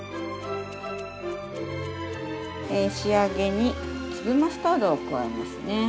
仕上げに粒マスタードを加えますね。